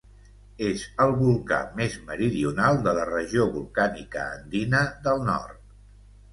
És el volcà més meridional de la regió volcànica andina del nord.